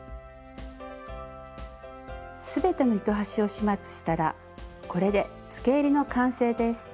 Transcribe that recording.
全ての糸端を始末したらこれでつけえりの完成です。